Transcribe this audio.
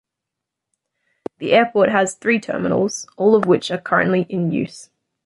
The airport has three terminals, all of which are currently in use.